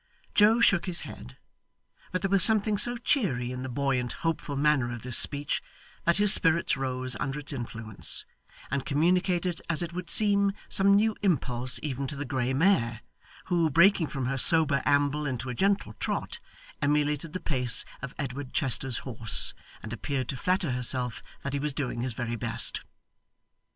Joe shook his head; but there was something so cheery in the buoyant hopeful manner of this speech, that his spirits rose under its influence, and communicated as it would seem some new impulse even to the grey mare, who, breaking from her sober amble into a gentle trot, emulated the pace of Edward Chester's horse, and appeared to flatter herself that he was doing his very best.